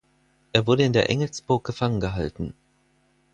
Er wurde in der Engelsburg gefangen gehalten.